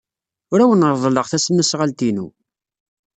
Ad awen-reḍleɣ tasnasɣalt-inu.